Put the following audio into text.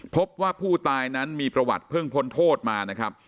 พบว่าผู้ตายนั้นมีประวัติเพิ่งพ้นโทษมานะครับ